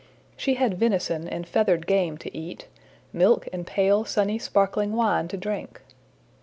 She had venison and feathered game to eat, milk and pale sunny sparkling wine to drink.